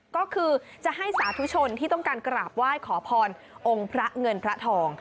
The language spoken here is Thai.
ก็คือจะให้สาธุชนที่ต้องการกราบไหว้ขอพรองค์พระเงินพระทอง